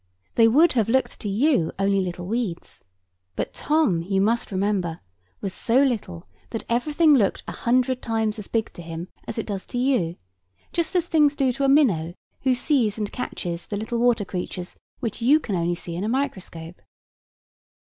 They would have looked to you only little weeds: but Tom, you must remember, was so little that everything looked a hundred times as big to him as it does to you, just as things do to a minnow, who sees and catches the little water creatures which you can only see in a microscope.